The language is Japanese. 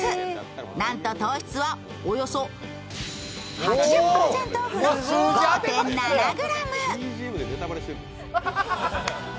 なんと糖質はおよそ８０％オフの５．７ｇ。